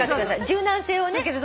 柔軟性をね。